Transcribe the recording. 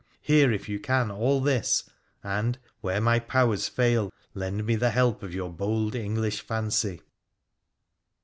Hear, if you can, all this, and, where my powers fail, lend me the help of your bold English fancy.